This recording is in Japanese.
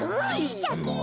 シャキン。